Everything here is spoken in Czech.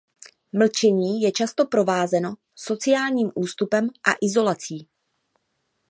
Mlčení je často provázeno sociálním ústupem a izolací.